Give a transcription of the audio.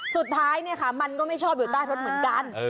สุดท้ายเนี่ยค่ะมันก็ไม่ชอบอยู่ใต้รถเหมือนกัน